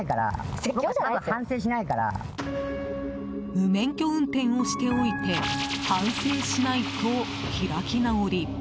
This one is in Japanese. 無免許運転をしておいて反省しないと開き直り。